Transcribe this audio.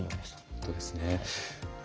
本当ですね。